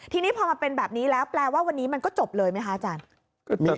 ทีนี้พอมันเป็นแบบนี้แล้วแปลว่าวันนี้มันก็จบเลยไหมคะอาจารย์